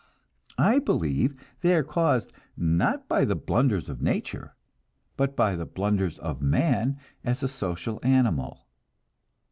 I believe they are caused, not by the blunders of nature, but by the blunders of man as a social animal.